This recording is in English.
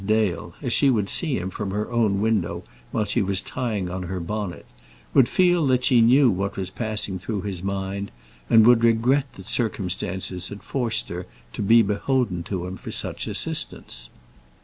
Dale, as she would see him from her own window while she was tying on her bonnet, would feel that she knew what was passing through his mind, and would regret that circumstances had forced her to be beholden to him for such assistance.